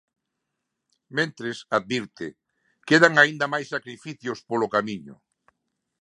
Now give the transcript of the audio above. Mentres, advirte, quedan aínda máis "sacrificios" polo camiño.